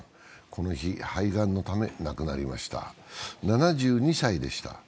この日、肺炎のため亡くなりました７２歳でした。